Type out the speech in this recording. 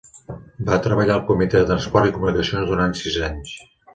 Va treballar al comitè de transports i comunicacions durant sis anys.